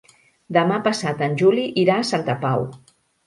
Demà passat en Juli irà a Santa Pau.